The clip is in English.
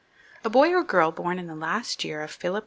A boy or girl bom in the last year of Philip IV.'